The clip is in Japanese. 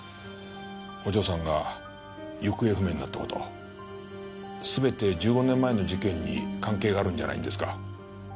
お嬢さんが行方不明になった事全て１５年前の事件に関係があるんじゃないんですか？